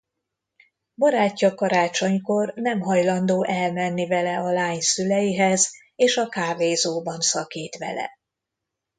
Barátja karácsonykor nem hajlandó elmenni vele a lány szüleihez és a kávézóban szakít vele.